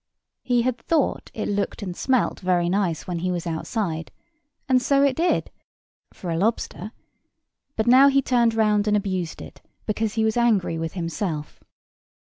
He had thought it looked and smelt very nice when he was outside, and so it did, for a lobster: but now he turned round and abused it because he was angry with himself.